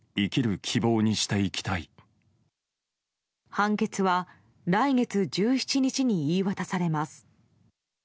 判決は来月１７日に言い渡されます。